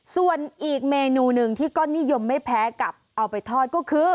ส่วนอีกเมนูหนึ่งที่ก็นิยมไม่แพ้กับเอาไปทอดก็คือ